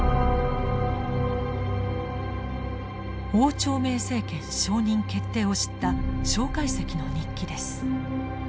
汪兆銘政権承認決定を知った介石の日記です。